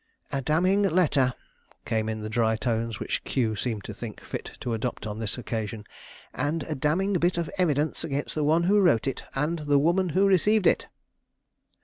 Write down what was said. "A damning letter!" came in the dry tones which Q seemed to think fit to adopt on this occasion. "And a damning bit of evidence against the one who wrote it, and the woman who received it!"